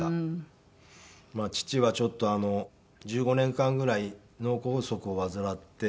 父はちょっと１５年間ぐらい脳梗塞を患って。